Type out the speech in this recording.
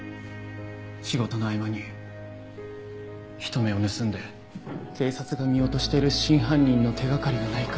仕事の合間に人目を盗んで警察が見落としている真犯人の手掛かりがないか。